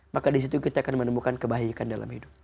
maka disitu kita akan menemukan kebaikan dalam hidup